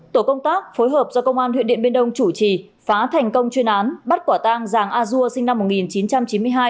tổ công tác phối hợp do công an huyện điện biên đông chủ trì phá thành công chuyên án bắt quả tang giàng a dua sinh năm một nghìn chín trăm chín mươi hai